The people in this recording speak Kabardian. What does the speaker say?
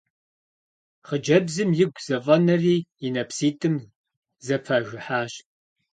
Хъыджэбзым игу зэфӏэнэри и нэпситӏым зэпажыхьащ.